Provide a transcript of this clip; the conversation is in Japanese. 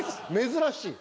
珍しい。